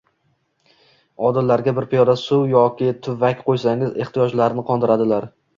oldilariga bir piyola suv yoki tuvak qo‘ysangiz, ehtiyojlarini qondiradilar.